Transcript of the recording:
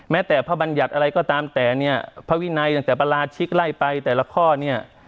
แต่พระบัญญัติอะไรก็ตามแต่เนี่ยพระวินัยตั้งแต่ประราชิกไล่ไปแต่ละข้อเนี่ย